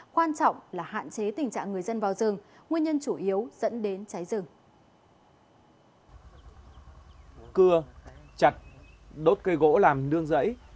quan trọng là hạn chế tình trạng người dân vào rừng nguyên nhân chủ yếu dẫn đến cháy rừng